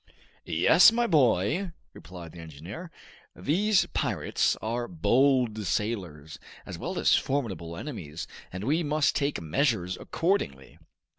"Yes, my boy," replied the engineer. "These pirates are bold sailors as well as formidable enemies, and we must take measures accordingly."